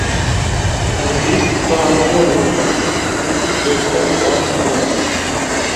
Em dic Clàudia Uson: u, essa, o, ena.